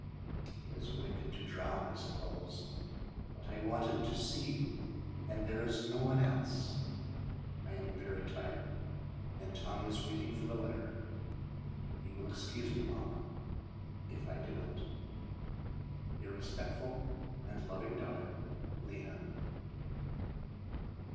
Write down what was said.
It is wicked to drown, I suppose, but I wanted to see you, and there is no one else. I am very tired, and Tommy is waiting for the letter. You will excuse me, mamma, if I do it. Your respectful and loving daughter, LENA.